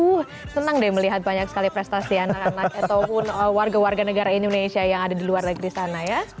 uh senang deh melihat banyak sekali prestasi anak anak ataupun warga warga negara indonesia yang ada di luar negeri sana ya